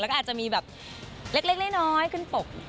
แล้วก็อาจจะมีแบบเล็กน้อยขึ้นปก